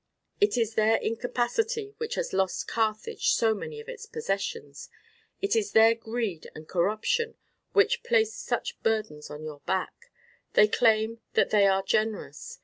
It is their incapacity which has lost Carthage so many of its possessions. It is their greed and corruption which place such burdens on your backs. They claim that they are generous.